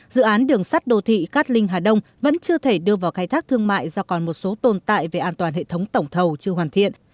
dự án đường sắt đô thị cát linh hà đông vẫn chưa thể đưa vào khai thác thương mại do còn một số tồn tại về an toàn hệ thống tổng thầu chưa hoàn thiện